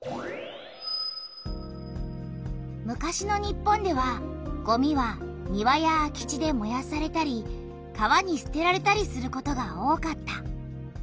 昔の日本ではごみは庭や空き地でもやされたり川にすてられたりすることが多かった。